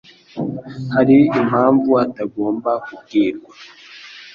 Hari impamvu atagomba kubwirwa?